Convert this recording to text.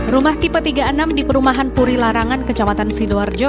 rumah tipe tiga puluh enam di perumahan puri larangan kecamatan sidoarjo